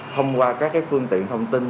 thông qua các phương tiện thông tin